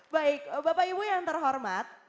baik bapak ibu yang terhormat